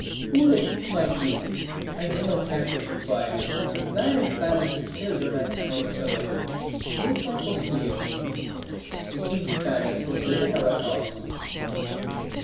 Who the king might be I never cared to inquire; where his palace is still remains undiscovered; this much was clear the king's palace was within our house.